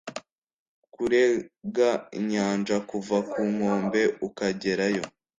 kurenga inyanja kuva ku nkombe ukajyerayo